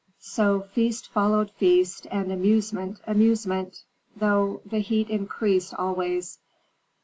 So feast followed feast and amusement amusement, though the heat increased always.